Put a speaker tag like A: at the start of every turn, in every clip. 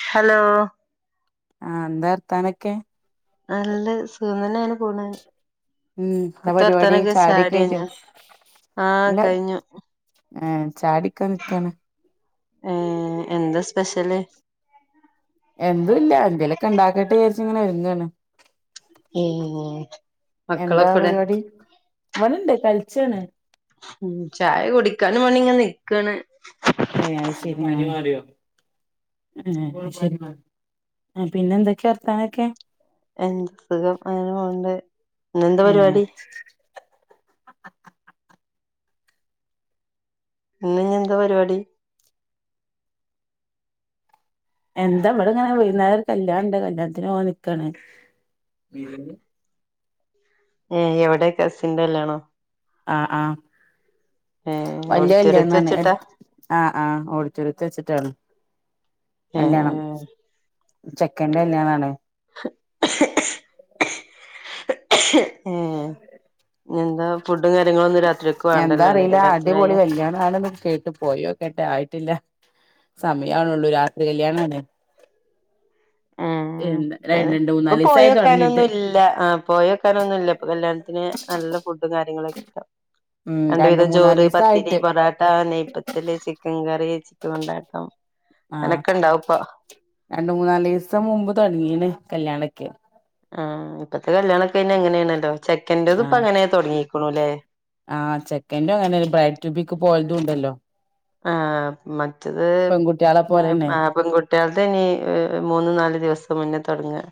A: hello
B: ആ എന്താ വാർത്താനൊക്കെ
A: നല്ല സുഖം തന്നെയ ആണ് പോണെ
B: ഉം എന്താ പരിപാടി ചായോടിക്കെ
A: കഴിഞ്ഞോ
B: കയിന്നോ
A: ആഹ്
B: ഇല്ല
A: കഴിഞ്ഞു
B: ഏ ചാടിക്കാ നിക്കാണ്
A: ഏ എന്താ സ്പെഷ്യല്
B: എന്തും ഇല്ല എന്തേലൊക്കെ ഉണ്ടാക്കട്ട് വിചാരിച്ച ഇങ്ങനെ ഒരുങ്ങാൻ
A: ഏഹ്
B: എന്താ
A: മക്കളൊക്കെവിടെ
B: പരിപാടി ഇവ്ടെ ഇണ്ട് കളിച്ചാണ്
A: ഉം ചായ കുടിക്കാൻ വേണ്ടി ഇങ്ങനെ നിക്കണ്
B: ഏ അയ് ശരി [unintelligible] ശരി ആ പിന്നെ എന്തൊക്കെയാ വർത്താനൊക്കെ
A: എന്ത സുഖം അങ്ങനെ പോവ്ണ്ട്
B: ഏ
A: ഇന്ന് ഇഞ് എന്താ പരിപാടി
B: എന്താ അവിടെ ഇങ്ങനെ വൈന്നേരം ഒരു കല്യാണണ്ട് കല്യാണത്തിന് പോകാൻ നിക്കാണ് [unintelligible]
A: ഏ എവിടെ കസിൻന്റെ കല്യാണോ
B: ആ ആ
A: ഏഹ്
B: വലിയ
A: ഓഡിറ്റോറിയത്ത്
B: കല്യാണന്
A: വെച്ചിട്ടാ
B: ആ ആ ഓടിട്ടോറിയത്തിൽ വെച്ചിട്ടാണ് കല്യാണം
A: ഏഹ്
B: ചെക്കന്റെ കല്യാണ ആണ്
A: ഏ എന്താ ഫുഡ്
B: എന്താ അറിയില്ല
A: കല്യാണത്തിനായ
B: അടിപൊളി കല്യാണ ആണു കേട്ട് പോയോക്കട്ടെ ആയിട്ടില്ല സമയണുള്ളൂ രാത്രി കല്യാണണെ
A: ഉം അെ ഇപ്പൊ പോയി
B: തൊടങ്ങീട്ട്
A: നോക്കാനൊന്നുല്ല ആ പോയി നോക്കാനൊന്നുല്ല ഇപ്പൊ കല്യാണത്തിന് നല്ല ഫുഡും കാര്യങ്ങളുക്കെ
B: ഉം
A: രണ്ട് വിധം ചോറ് പത്തിരി
B: മൂന്നാലീസായിട്ട്
A: പൊറോട്ട നെയ്യ്പ്പത്തല് ചിക്കൻ കറി [unintelligible]
B: ആ
A: അങ്ങനൊക്കെ ഉണ്ടാവും ഇപ്പൊ
B: രണ്ട് മൂന്നാലിസം ദിവസം മുമ്പ് തുടങ്ങീണ് കല്യാണക്കെ
A: ആ ഇപ്പത്തെ കല്യാണൊക്കെ പിന്നെ അങ്ങനെയാണല്ലോ ചെക്കന്റെത്
B: ആ
A: ഇപ്പ അങ്ങനെ തുടങ്ങിക്കണുല്ലേ
B: ആ ചെക്കന്റും അങ്ങനെ ബ്രൈറ്റ് ബിക്ക് പോ [unintelligible]
A: ആ മറ്റത്
B: പെൺകുട്ടികളെ പോലെന്നെ
A: ആ പെൺകു കുട്ടിയൾദ് ഇനി മൂന്ന് നാല് ദിവസം മുന്നേ തുടങ്ങാ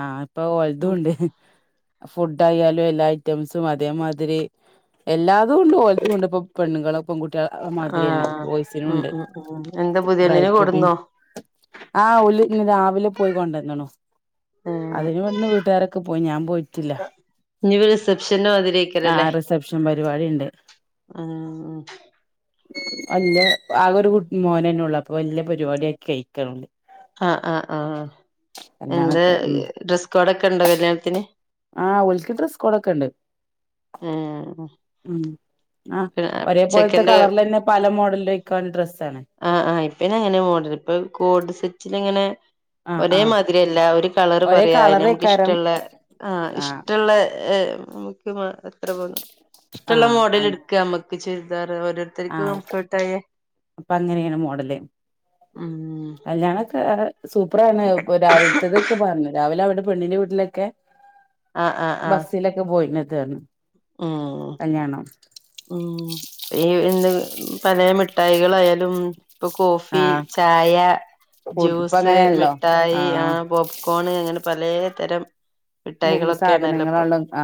B: ആ ഇപ്പൊ ഓല്തും ഉണ്ട് ഫുഡ് ആയാലും എല്ലാ ഐറ്റംസും അതേമാതിരി എല്ലാതുകൊണ്ട് ഓൽതുണ്ട് ഇപ്പ പെണ്ണുങ്ങളും പെൺകുട്ടികളെ
A: ആ
B: മാതിരി തന്നെ ബോയ്സിനും
A: ഉം
B: ഉണ്ട്
A: ഉം ഉം എന്താ പുതിയണ്ണിനെ
B: ബ്രൈട് റ്റുബിം
A: കൊടുന്നോ
B: ആ ഒല് ഇന്ന് രാവിലെ പോയി കൊണ്ടന്ന്ണ്
A: ഉം
B: അതിന് ഇവിടന്ന് വീട്ടുകാരൊക്കെ പോയി ഞാൻ പോയി ട്ടില്ല
A: ഇനി റിസപ്ഷന്റെ
B: റിസപ്ഷൻ പരിപാടി ഇണ്ട്
A: ആ
B: അല്ല ആക ഒരു മോനന്നെ ഉള്ളൂ അപ്പൊ വല്ല്യ പരിപാടിയാക്കി കഴിക്കാണ് ഓല്
A: ആ ആ ആ എന്ത്‌
B: കല്യാണൊക്കെ ഉം
A: ഡ്രസ് കോഡക്കെ ഉണ്ടോ കല്യാണത്തിന്
B: ആഹ് ഓൽക്ക് ഡ്രസ് കോഡൊക്കെ ഉണ്ട്
A: ഏ
B: ആ ഒരേ പോലത്തെ കളറൽ തന്നെ പല മോഡലിൽ ആയ്ക്ക ഡ്രസ്സ ആണ്
A: ആ ആ ഇപ്പ അങ്ങനെ മോഡൽ ഇപ്പൊ കോഡ് സെറ്റിൽ ങ്ങനെ
B: ആഹ് ആഹ്
A: ഒരേമാതിരിയല്ല ഒരു കളറ്
B: ഒരേ
A: പറയാ അതിന്
B: കളറേക്കാരം
A: നമുക്കിഷ്ട്ടല്ല ആ
B: ആഹ്
A: ഇഷ്ടല്ല ഏ നമുക്ക് എത്ര പോന്ന ഇഷ്ടള്ള മോഡൽ എടുക്ക നമ്മക്ക് ചുരിതാർ
B: ആ പ്പ അങ്ങനെയാണ് മോഡല്
A: ഉം
B: കല്യാണക്ക സൂപ്പറാണ് ഇപ്പൊ രാവിലത്തതൊക്കെ പറഞ്ഞു രാവിലെ അവിടെ പെണ്ണിന്റെ വീട്ടിലൊക്കെ
A: ആഹ് ആഹ് ആഹ്
B: ബസ്സിലൊക്കെ പോയിന്നതായ്രന്നു
A: ഉം ഉ ഈ എന്ത് പലെ മിഠായികളായാലും ഇപ്പൊ കോഫി
B: ആഹ്
A: ചായ
B: ഇപ്പ
A: ജ്യൂസ്
B: അങ്ങനെയല്ലോ
A: മിഠായി ആ
B: ആഹ്
A: പോപ്‌കോണ് അങ്ങനെ പലേതരം
B: [unintelligible] സാധനങ്ങളാണ് ആ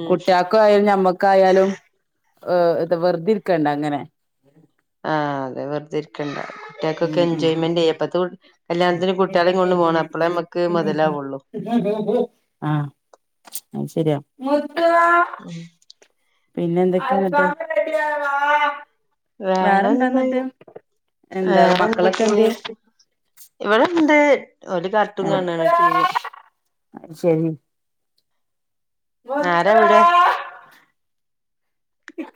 A: ഉം
B: കുട്ട്യാൾക്കായ് ഞമ്മക്കായാലും ഇത് വെറുതിരിക്കണ്ട അങ്ങനെ
A: ആഹ അതെ വെറുതെരിക്ക ണ്ട കുട്ട്യാക്കൊക്കെ
B: ഉം ഉം
A: എന്ജോയ്മന്റെ ഇപ്പത്തേ കല്യാണത്തിന് കുട്ട്യാളേം കൊണ്ട് പോവണം അപ്പൊളെ മ്മക്ക് മുതലാവൂ
B: ആഹ അത് ശരിയാ മുത്തോ പിന്നെ എന്തൊക്കെയ [unintelligible]
A: വേറെന്തെയ്യു
B: എന്താ
A: വേറെ
B: മക്കളൊക്കെ
A: എന്തൊക്കേണ്
B: എന്തിയെ
A: ഇവിടെ ഇണ്ട് ഒരു കാർട്ടൂൺ
B: ആഹ്
A: കാണാണ് ടി വി
B: അത് ശരി
A: ആരവിടെ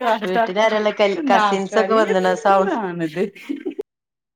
B: കാട്ടാ
A: വീട്ടിലാരാള്ളെ കൽ കസിൻസൊക്കെ
B: നാക്കാലി
A: വന്നണ സൗണ്ട്
B: എന്താണിത്